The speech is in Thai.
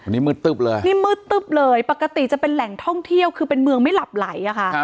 นี่มืดตึบเลยปกติจะเป็นแหล่งท่องเที่ยวคือเป็นเมืองไม่หลับไหล